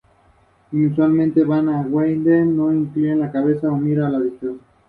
Tiene dos fuentes, la de San Roque y la de la Plaza.